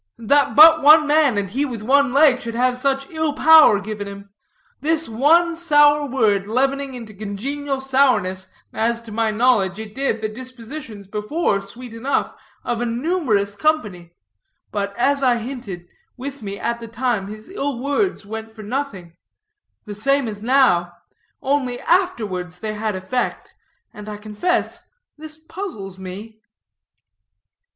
That but one man, and he with one leg, should have such ill power given him; his one sour word leavening into congenial sourness (as, to my knowledge, it did) the dispositions, before sweet enough, of a numerous company. But, as I hinted, with me at the time his ill words went for nothing; the same as now; only afterwards they had effect; and I confess, this puzzles me."